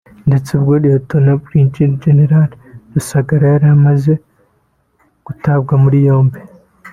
ndetse ubwo (Rtd) Brig Gen Rusagara yari amaze gutabwa muri yombi